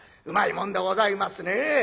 うまいもんでございますねえ。